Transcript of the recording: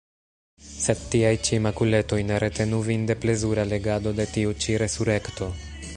Sed tiaj ĉi makuletoj ne retenu vin de plezura legado de tiu ĉi Resurekto!